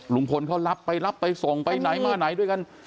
ลุงพลเขารับไปรับไปส่งไปไหนมาไหนด้วยกัน